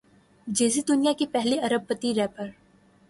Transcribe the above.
جے Z دنیا کے پہلے ارب پتی ریپر